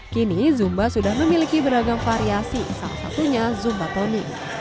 kini zumba sudah memiliki beragam variasi salah satunya zumbatoning